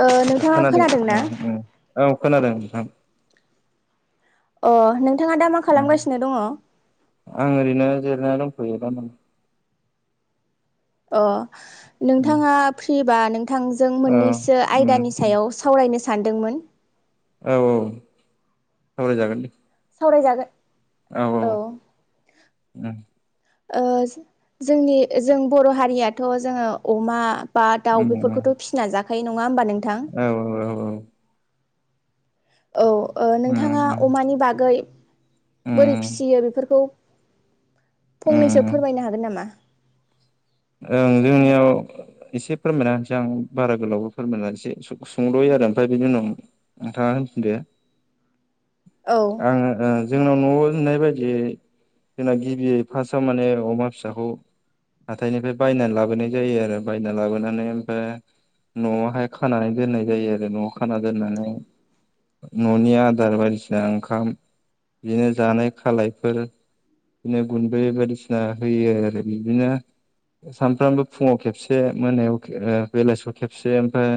ओ नोंथाङा खोनादों खोनादोंना औ खोनादों नोंथां अ नों नोंथाङा दा मा ओं खालामगासिनो दङ? आं ओरैनो जिरायना दंथ'यो दा अ उम नोंथाङा फ्रि बा नों थांजों औ मोननैसो उम आयदानि सायाव सावरायनो सान सान्दोंमोन- औ औ सावरायजागोन दे। सावरायजागोन औ औ ओ जोंनि जों बर' हारियाथ' जोङो अमा बा दाउ उम बेफोरखौथ' फिना जा [unintelligible] औ औ औ औ ओ उम नोंथाङा अमानि बागै बोरै उम फिसियो बेफोरखौ फंनैसो उम फोरमायनो हागोन नामा? ओं जोंनियाव एसे फोरमायना होनसै आं बारा गोलावबो फोरमायना एसे सुंद'यै आरो ओमफ्राय बिनि उनाव नोंथाङा होनफिनदो। औ आ‌ंङो‌ ओ जोंनाव न'आव लुनाय बायदियै जोंना गिबियै फार्स्टआव माने अमा फिसाखौ हाथथायनिफ्राय बायनानै लाबोनाय जायो आरो बायना लाबोनानै ओमफ्राय न'आवहाय खानानै दोननाय जायो आरो न'आव खाना दोननानै न'नि आदार बायदिसिना ओंखाम बिदिनो जानाय खालायफोर बिदिनो गुन्दै बायदिसिना होयो आरो बिदिनो सानफ्रामबो फुङाव खेबसे मोनायाव ओ बेलासियाव खेबसे ओमफाय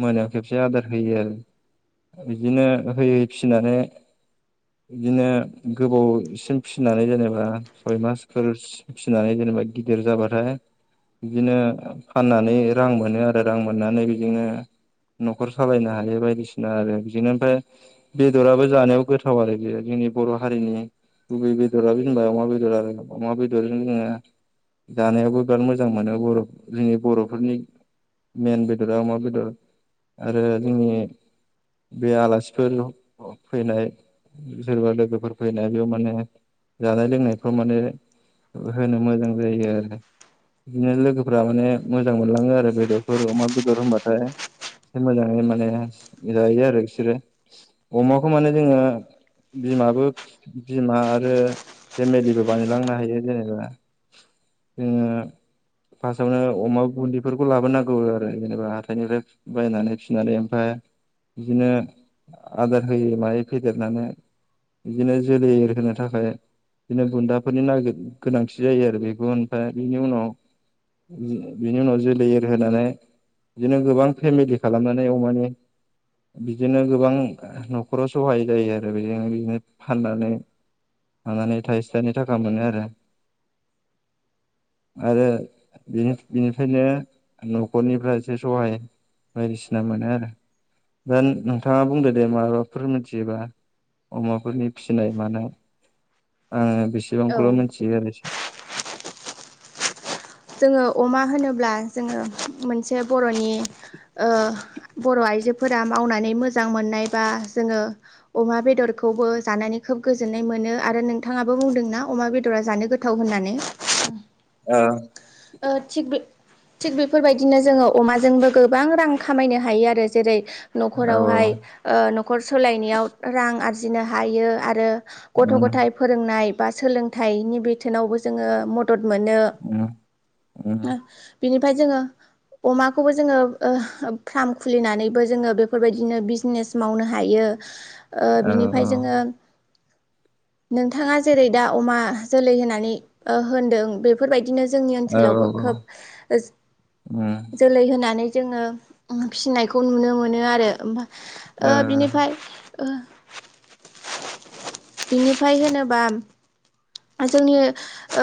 मोनायाव खेबसे आदार होयो आरो बिदिनो होय फिनानै बिदिनो गोबावसिम फिसिनानै जेनेबा सय मासफोर फिसिनानै जेनेबा गि गिदिर जाबाथाय बिदिनो फाननानै रां मोनो आरो रां मोननानै बिदिनो न'खर सालायनो हायो बायदिसिना आरो बिदिनो ओमफाय बेदराबो जानायाव गोथाव आरो बेयो जोंनि बर' हारिनि गुबै बेदराबो जेनेबा अमा बेदर आरो अमा बेदरजों जोङो जानायावबो बिराद मोजां मोनो बर' जोंनि बर'फोरनि मेन बेदरा अमा बेदर आरो जोंनि बे आलासिफोर फैनाय सोरबा लोगोफोर फैनाय बेयाव माने जानाय लोंनायफ्राव माने होनो मोजां जायो आरो बिदिनो लोगोफोरा माने मोजां मोनलाङो आरो बेदरफोर अमा बेदर होनबाथाय एसे मोजाङै माने जायो आरो बिसोरो अमाखौ माने जोङो बिमाबो बिमा आरो फेमिलिबो बानायलांनो हायो जेनेबा जोङो फार्स्टआवनो अमा गुन्ददिफोरखौ लाबोनांगौ आरो जेनेबा हाइनिफ्राय बायनानै फिसिनानै ओमफफ्राय बिदिनो आदार होययो मायै फेदेरनानै बिदिनो जोलैहोनो थाखाय बिदिनो बुन्दाफोरनि नागिर गोनांथि‌। जायो आरो बेखौ ओमफ्राय बिनि उनाव बिनि उनाव जोलै एरहोनानै बिदिनो गोबां फेमिलि खालामनानै अमानि बिदिनो गोबां न'खराव सहाय जायो आरो बेजों बिदिनो फाननानै मानानै थाइसे थाइनै थाखा मोनो आरो आरो बिनिफ्रायनो न'खरनिफ्राय एसे सहाय बायदिसिना मोनो आरो दा नोंथाङा बुंदो दे माबाफोर मिथियोबा अमाफोरनि फिनाय मानाय आङो। औ बेसिबांखौल मिथि आरो एसे जोङो अमा होनोब्ला जोङो मोनसे बर'नि ओ बर' आइजोफोरा मावनानै मोजां मोननाय बा जोङो अमा बेदरखौबो जानानै खोब गोजोननाय मोनो आरो नोंथाङाबो बुंदोंना अमा बेदरा जानो गोथाव होननानै। ओ। ओ थिग बे थिग बेफोरबायदिनो जोङो अमाजोंबो गोबां रां खामायनो हायो आरो जेरै। औ न'खरावहाय औ ओ न'खर सालायनायाव रां आरजिनो हायो आरो। गथ' उम गथायाइ फोरोंनाय बा सोलोंथाइनि बिथथोनावबो जोङो मद मदद मोनो उम उम ओ बिनिफ्राय जोङो अमाखौबो जोङो ओ फार्म खुलिनानैबो जोङो बेफोरबायदिनो बिजनेस मावनो हायो। ओ औ बिनिफ्राय जोङो। नोंथाङा जेरै दा अमा जोलै होननानै ओ होनदों बेफोरबायदिनो जोंनि औ सोलावबो औ खोब उम जोलै होनाय जोङो उम फिसिनायखौ नुनो मोनो आरो होम ओ औ बिनिफ्राय ओ बिनिफ्राय होनोबा जोंनि ओ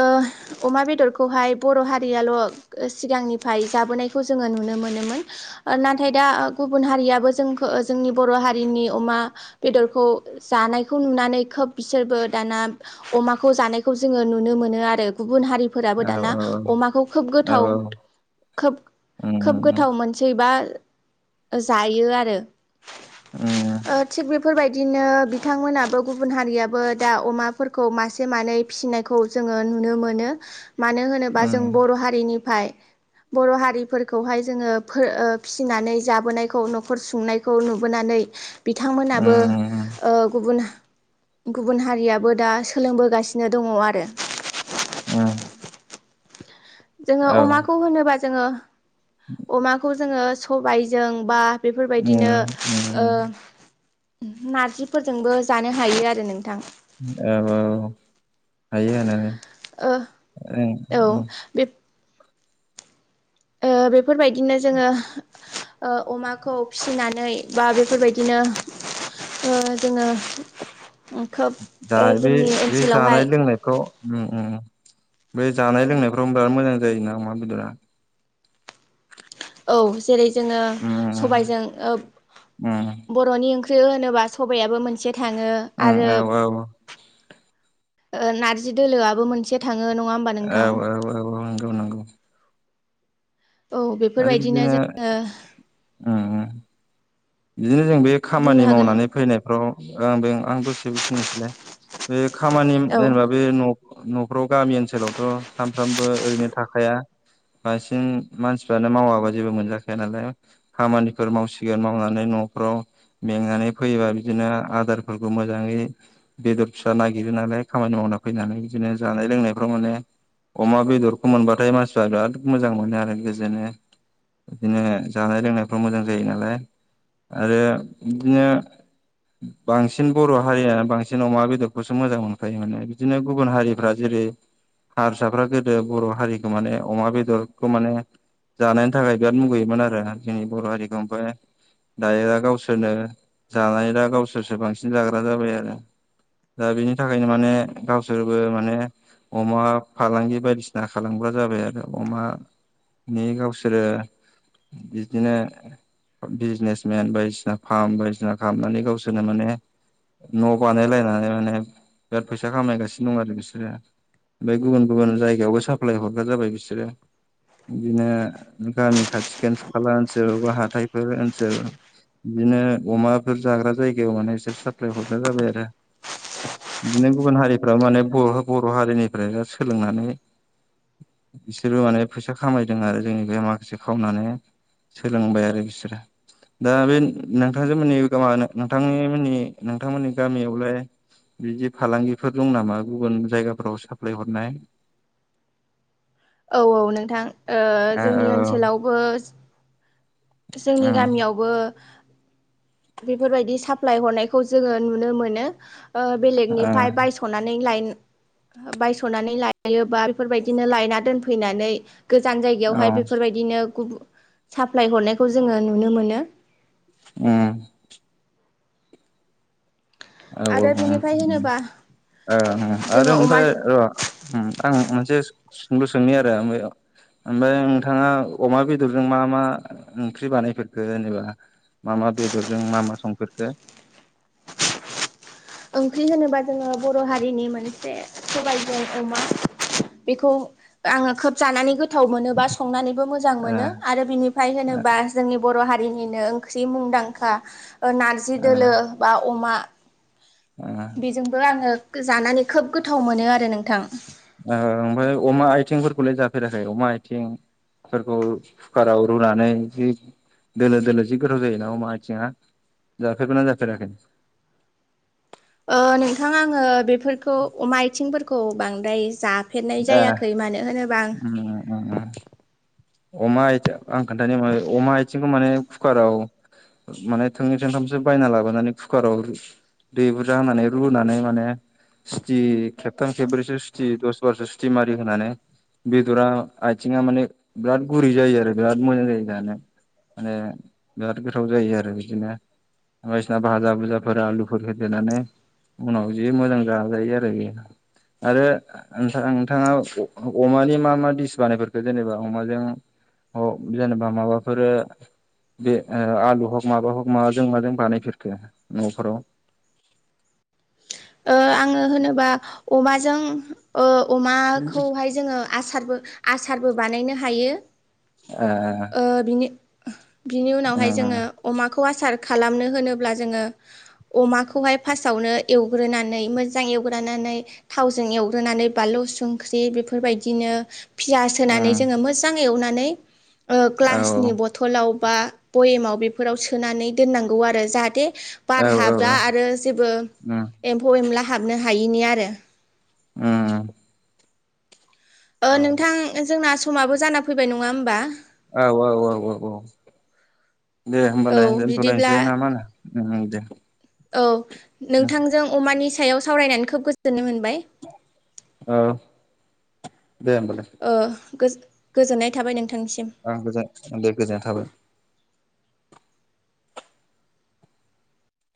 अमा बेदरखौहाय बर' हारियाल' सिगांनिफ्राय जाबोनायखौ जोङो नुनो मोनोमोन नाथाय दा गुबुन हारियाबो जों जोंनि बर' हारिनि अमा बेदरखौ जानायखौ नुनानै खोब बिसोरबो दाना अमा खौ जानायखौ जोङो नुनो मोनो आरो। गुबुन हारिफोराबो औ दाना अमाखौ खोब गोथाव औ खोब उम खोब गोथाव मोनसै बा जायो आरो उम ओ थिग बे बेफोरबायदिनो बिथांमोनाबो गुबुन हारियाबो दा अमाफोरखौ मास मानै फिसिनायखौ जोङो नुनो मोनो। मानो होनोबा जों उम बर' हारिनिफ्राय बर' हारिफोरखौहाय जोङो फो ओ फिसिनानै जाबोनायखौ न'खर सुंनायखौ नुबोनानै उम औ बिथांमोनाबो ओ गुबुन गुबुन हारियाबो दा सो सोलोंबोगासिनो दङ आरो। उम जोङो अमाखौ होनोबा जोङो अमाखौ जोङो सबायजों बा बेफोरबायदिनो उम ओ उम नारजिफोरजोंबो जानो हायो आरो नोंथां। औ औ हायो ओ हानायालाय औ ओं ओं बे ओ बेफोरबायदिनो जोङो ओ अमाखौ फिसिनानै बा बेफोरबायदिनो ओ जोङो खोब जा ओ बे जोंनि बे ओनसोलावहाय जानाय लोंनायखौ उम उम बे जानाय लोंनायफ्राव बिराद मोजां जायोना अमा बेदरा? औ जेरै जोङो उम सबायजों ओ उम बर'नि ओं थो होनोबा सबायाबो मोनसे थाङो आरो उम औ औ ओ नारजि दोलोआबो मोनसे थां औ औ औ ओं गौ नोंगौ। औ बेफोरबायदिनो बिदिनो जोङो उम उम बिदिनो जों बे बुंनो खामानि हागोन मावनानै फैनायफ्राव ओं बे आं दसे बुंनोसैलाय बे खामानि औ जेनेबा बे न' न'खराव गामि ओनसोलावथ' सानफ्रामबो ओरैनो थाखाया बांसिन मानसिफ्रानो मावाबा जेबो मोनजाखाया नालाय खामानिफोर मावसिगोन मावना नै न'फ्राव मेंनानै फैयोबा बिदिनो आदारफोरखौ मोजाङै बेदर फिसा नागिरो नालाय खामानि मावना फैनानै बिदिनो जानाय लोंनायफ्राव माने अमा बेदरखौ मोनबाथाय मानसिफ्रा बिराद मोजां मोनो आरो गोजोनो बिदिनो जानाय लोंनायफ्राव मोजां जायो नालाय आरो बिदिनो बांसिन बर' हारिया बांसिन अमा बेदरखौसो मोजां मोनखायो माने बिदिनो गुबुन हारिफ्रा जेरै हारसाफ्रा गोदो बर' हारिखौ माने अमा बेदरखौ माने जानायनि थाखाय बिराद मुगैयोमोन आरो जोंनि बर' हारिखौ ओमफाय दायो गावसोरनो जानाय दा गावसोरसो बांसिन जाग्रा जाबाय आरो दा बिनि थाखायनो माने गावसोरबो माने अमा फालांगि बायदिसिना खालामग्रा जाबाय आरो अमानि गावसोरो बिदिनो बिजनेस मेन बायदिसिना फारम बायदिसिना खालामनानै गावसोरनो माने न' बानायलायनानै माने बिराद फैसा खामायगासिनो दं आरो बिसोरो ओमफाय गुबुन गुबुन जायगायावबो साप्लाय हरग्रा जाबाय बिसोरो बिदिनो गामि खाथि खाथि खाला ओनसोल बबा हाथायफोर ओनसोल बिदिनो अमाफोर जाग्रा जायगायाव माने बिसोर साप्लाय हरग्रा जाबाय आरो बिदिनो गुबुन हारिफ्रा माने बर' बर' हारिनिफ्राय सोलोंनानै बिसोरो माने फैसा खामायदों आरो जोंनिफ्राय माखासे खावनानै सोलोंबाय आरो बिसोरो। दा बे नोंथांजोमोननि नोंथां नोंथांमोननि नोंथांमोननि गामियावलाय बिदि फालांगिफोर दं नामा गुबुन जायगाफोराव साप्लाय हरनाय? औ औ नोंथां। ओ ओ जोंनि ओनसोलावबो जोंनि गामियावबो बेफोरबायदि साप्लााय हरनायखौ जोङो नुनो मोनो। ओ बेलेगनिफ्राय बायस'नानै लायेन बायस'नानै लायोबा बेफोरबायदिनो लायना दोनफैनानै गोजान औ ओ औ जायगायावहाय बेफोरबायदिनो गुबुनाव साप्लाय हरनायखौ जोङो नुनो मोनो। ओम। औ औ आरो होम बेनिफ्राय होनोबा ओ ओ होम आरो जोङो अमा ओमफ्राय ओ होम आं मोनसे सोंलु सोंनि आरो ओम ओमफ्राय नोंथाङा अमा बेदरजों मा मा ओंख्रि बानायफेरखो जेनेबा? मा मा बेदरजों मा मा संफेरखो? ओंख्रि होनोबा जोङो बर' हारिनि मोनसे सबायजोंं अमा बेखौ आङो खोब जानानै गोथाव मोनो बा संनानै बो मोजां ओ मोनो आरो बिनिफ्राय ओ होनोबा जोंनि बर' हारि निनो ओंख्रि मुंदांखा ओ नारजि दोलो ओ बा अमा बेजोंबो आङो जानानै खोब गोथाव मोनो आरो नोंथां। ओ ओमफ्राय अमा [unintelligible] अमा आथिं फोरखौ कुकाराव रुनानै जि दोलो दोलो जि गोथाव जायोना अमा आथिंआ जाफेरबायना जाफेराखै? ओ नोंथां आङो बेफोरखौ अमा आयथिंफोरखौ बांद्राय जा फेरनाय ए जायाखै मानो होनोबा आं उम उम उम अमा आयथें आं खोन्थानि माने अमा आयथिंखौ माने कुकाराव माने थोंनै थोंथामसो बायना लाबोनानै कुकाराव दै बुरजा होनानै रुनानै माने सुटि खेबथाम खेब्रैसो सुथि दस बारसो सुथि मारि होनानै बेदरा आथिङा माने बिराद गुरै जायो आरो बिराद मोजां जायो जानो। माने बिराद गोथाव जायो आरो बिदिनो बायदिसिना बाहागो बुजाफोर आलुफोर होदेरनानै उनाव जि मोजां जाजायो आरो बे आरो नोंथां नोंथाङा अ-अमानि मा मा डिस बानायफेरखो जेनेबा? अमाजों अ जेनेबा माबाफोर बे ओ आलु हक माबा हग माबाजों माजों बानायफेरखो न'फोराव? ओ आङो होनोबा अमाजों ओ अमाखौहाय जोङो आसारबो आसारबो बानायनो हायो ए ओ बिनि बिनि उम उनावहाय जोङो अमाखौ आसार खालामनो होनोब्ला जोङो अमाखौहाय फास्ट आवनो एउ ग्रोनानै, मोजां एवग्रोनानै थावजों एवग्रोनानै बानलु संख्रि बेफोरबायदिनो पियास होनानै उम जोङो मोजां एवना नैै ओ औ ग्लासनि बथलाव बा बयेमाव बेफोराव सोनानै दोननांगौ आरो जाहाथे बार औ हाबा आरो जेबो उम एम्फौ एनला हाबनो हायिनि आरो। ओम। ओ नोंथां जोंहा समाबो जाना फैबाय नङा होमबा? औ औ औ औ औ दे औ होमबालाय बिदिब्ला दोनथ'लायसै नामा होनो ओम ओम दे औ नोंथांजों अमानि- सायाव सावरायनानै खोब गोजोननाय मोनबाय औ दे होमबालाय ओ गोजोननाय थाबाय नोंथां आं गोजान दे गोजोननाय थाबाय